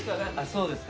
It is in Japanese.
そうですか。